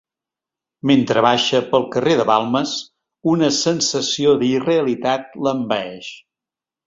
Mentre baixa pel carrer de Balmes una sensació d'irrealitat l'envaeix.